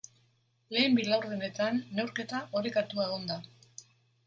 Lehen bi laurdenetan neurketa orekatua egon da.